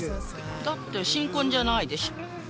だって新婚じゃないでしょ？